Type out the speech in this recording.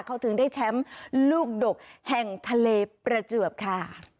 เขาถึงได้แชมป์ลูกดกแห่งทะเลประจวบค่ะ